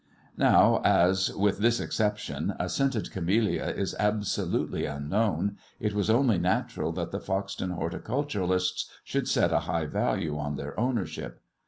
Now as, with this exception, a scented camellia is absolutely unknown, it was only natural that the Foxton horticulturists should set a high value on their ownership.